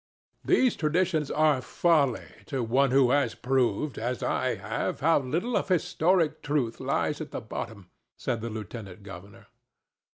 "These traditions are folly to one who has proved, as I have, how little of historic truth lies at the bottom," said the lieutenant governor.